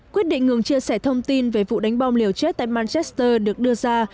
quyết định ngừng chia sẻ thông tin về vụ đánh bom liều chết tại manchester được đưa ra